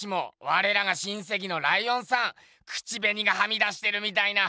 われらが親せきのライオンさん口べにがはみ出してるみたいな。